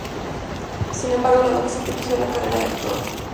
Sin embargo, el adolescente eligió la carrera de actor.